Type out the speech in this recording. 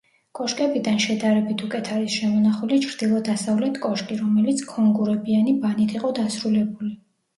კოშკებიდან შედარებით უკეთ არის შემონახული ჩრდილო-დასავლეთ კოშკი, რომელიც ქონგურებიანი ბანით იყო დასრულებული.